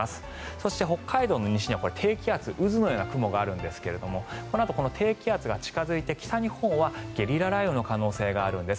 そして、北海道の西には低気圧渦のような雲があるんですがこのあと低気圧が近付いて北日本はゲリラ雷雨の可能性があるんです。